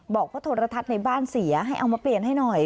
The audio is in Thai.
บอกว่าโทรทัศน์ในบ้านเสียให้เอามาเปลี่ยนให้หน่อย